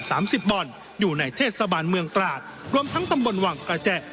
สามสิบบ่อนอยู่ในเทศบาลเมืองตราดรวมทั้งตำบลวังกระแจ